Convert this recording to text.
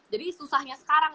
jadi susahnya sekarang